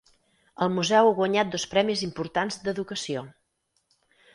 El museu ha guanyat dos premis importants d'educació.